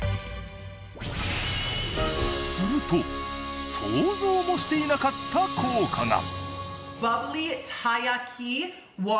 すると想像もしていなかった効果が！